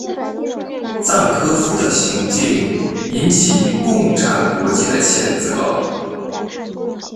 赞科夫的行径引起共产国际的谴责。